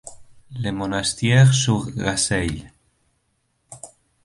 Le Monastier-sur-Gazeille